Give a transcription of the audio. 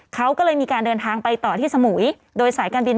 เขาก็เลยมีการเดินทางไปต่อที่สมุย